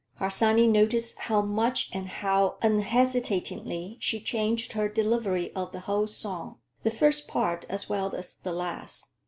Harsanyi noticed how much and how unhesitatingly she changed her delivery of the whole song, the first part as well as the last.